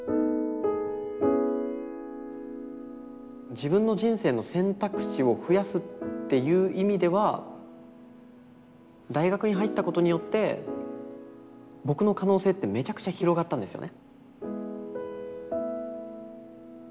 自分の人生の選択肢を増やすっていう意味では大学に入ったことによって僕の可能性ってめちゃくちゃ広がったんですよね。